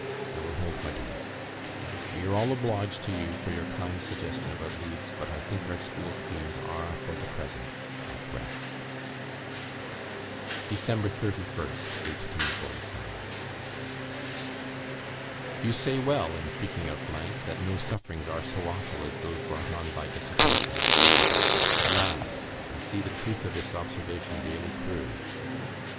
I will hold my tongue. We are all obliged to you for your kind suggestion about Leeds; but I think our school schemes are, for the present, at rest." "Dec. 31st, 1845. "You say well, in speaking of , that no sufferings are so awful as those brought on by dissipation; alas! I see the truth of this observation daily proved.